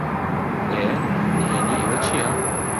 ئێ، نھێنیی ئێوە چییە؟